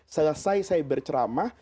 selesai saya berceramah